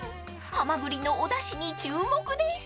［ハマグリのおだしに注目です］